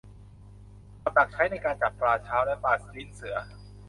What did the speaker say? กับดักใช้ในการจับปลาเช้าและ ปลาลิ้นเสือ